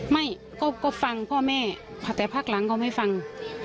ไม่ก็ฟังพ่อแม่แต่พักหลังเขาไม่ฟัง